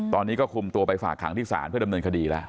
ตอนนี้ก็คุมตัวไปฝากขังที่ศาลเพื่อดำเนินคดีแล้ว